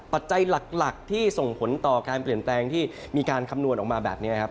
ปัจจัยหลักที่ส่งผลต่อการเปลี่ยนแปลงที่มีการคำนวณออกมาแบบนี้ครับ